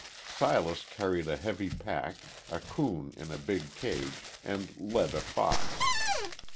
Silas carried a heavy pack, a coon in a big cage, and led a fox.